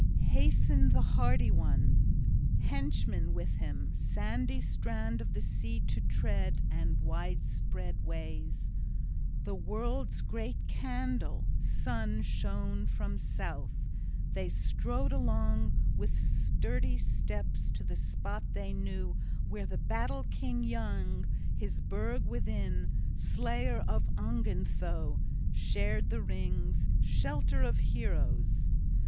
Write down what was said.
XXVIII HASTENED the hardy one, henchmen with him, sandy strand of the sea to tread and widespread ways. The world's great candle, sun shone from south. They strode along with sturdy steps to the spot they knew where the battle king young, his burg within, slayer of Ongentheow, shared the rings, shelter of heroes.